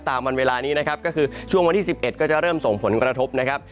วันเวลานี้นะครับก็คือช่วงวันที่๑๑ก็จะเริ่มส่งผลกระทบนะครับ